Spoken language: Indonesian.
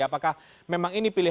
apakah memang ini pilihan yang